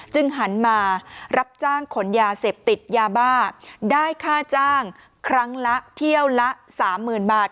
หันมารับจ้างขนยาเสพติดยาบ้าได้ค่าจ้างครั้งละเที่ยวละสามหมื่นบาท